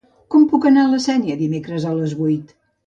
Com puc anar a la Sénia dimecres a les vuit?